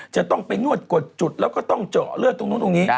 จะต้องไปนวดกดจุดแล้วก็ต้องเจาะเลือดตรงนู้นตรงนี้